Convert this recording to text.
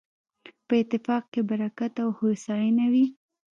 په اتفاق کې برکت او هوساينه وي